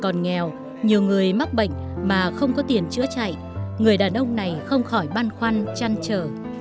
còn nghèo nhiều người mắc bệnh mà không có tiền chữa chạy người đàn ông này không khỏi băn khoăn chăn trở